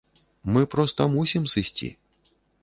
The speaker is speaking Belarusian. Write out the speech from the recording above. Мы проста мусім сысці.